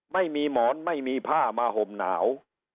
ไม่มีหมอนไม่มีผ้ามาห่มหนาว